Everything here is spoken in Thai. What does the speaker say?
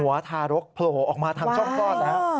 หัวทารกโผล่ออกมาทางช่องกล้อน